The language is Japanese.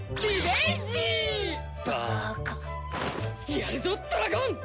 やるぞトラゴン！